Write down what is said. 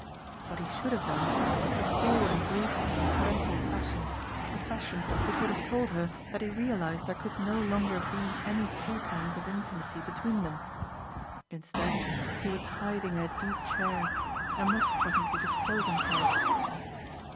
What he should have done was to call and greet her in a friendly fashion, a fashion which would have told her that he realized there could no longer be any pretence of intimacy between them. Instead he was hiding in a deep chair and must presently disclose himself.